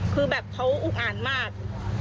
คือแบบเขาอุกอ่านมาก